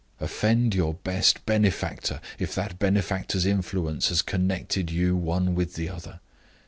Offend your best benefactor, if that benefactor's influence has connected you one with the other.